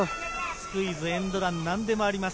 スクイズ、エンドラン、何でもあります。